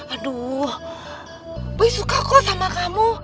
aduh gue suka kok sama kamu